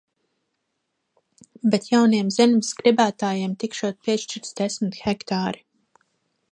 Bet jauniem zemes gribētājiem tikšot piešķirts desmit hektāri.